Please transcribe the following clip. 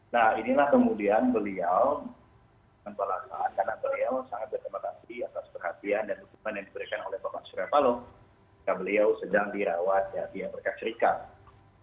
nah inilah kemudian beliau karena beliau sangat berterima kasih atas perhatian dan dukungan yang diberikan oleh pak surya paloh ya beliau sedang dirawat ya dia berkasirkan